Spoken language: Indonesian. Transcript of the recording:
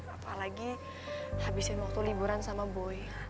apalagi habisin waktu liburan sama bue